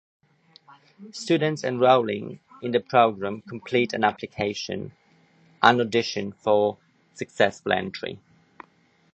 Students enrolling in the program complete an application and audition for successful entry.